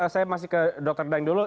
saya masih ke dr daeng dulu